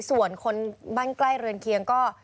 ส่วนคนบ้านใกล้เรือนเคียงก็